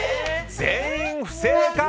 全員、不正解！